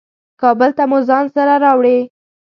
کابل ته مو ځان سره راوړې.